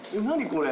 これ。